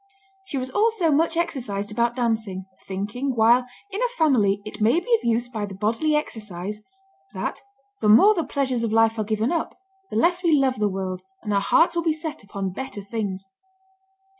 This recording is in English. She was also much exercised about dancing, thinking, while "in a family, it may be of use by the bodily exercise," that "the more the pleasures of life are given up, the less we love the world, and our hearts will be set upon better things."